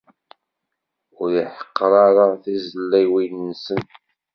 Ur iḥeqqer ara tiẓilliwin-nsen.